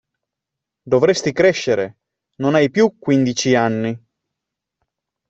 Dovresti crescere, non hai più quindici anni!